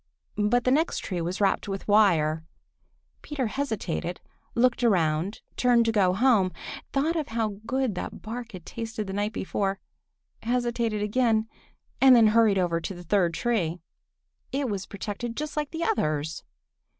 But the next tree was wrapped with wire. Peter hesitated, looked around, turned to go home, thought of how good that bark had tasted the night before, hesitated again, and then hurried over to the third tree. It was protected just like the others.